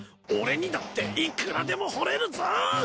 俺にだっていくらでも掘れるぞ！